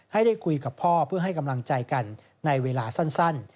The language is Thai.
ให้ได้คุยกับพ่อเพื่อให้กำลังใจกันในเวลาสั้น